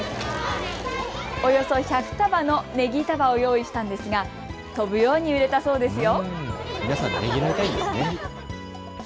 およそ１００束のねぎ束を用意したんですが飛ぶように売れたそうですよ。